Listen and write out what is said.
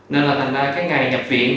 nên là thành ra cái ngày nhập viện